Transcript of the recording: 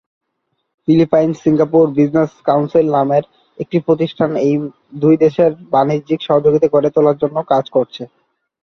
Philippine-Singapore business council নামের একটি প্রতিষ্ঠান এ দুই দেশের মধ্যে বাণিজ্যিক সহযোগিতা গড়ে তোলার জন্য কাজ করছে।